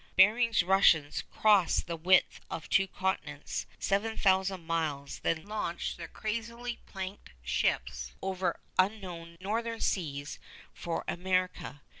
Bering's Russians cross the width of two continents, seven thousand miles, then launch their crazily planked ships over unknown northern seas for America.